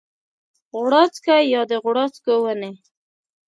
غوړاڅکی یا د غوړاڅکو ونې